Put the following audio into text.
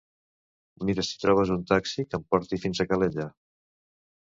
Mira si trobes un taxi que em porti fins a Calella.